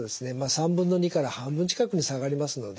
３分の２から半分近くに下がりますので。